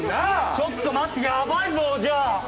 ちょっと待ってやばいぞじゃあ。